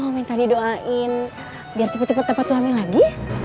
mau minta didoain biar cepet cepet dapat suami lagi